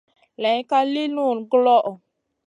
Layn ka li nullu guloʼo.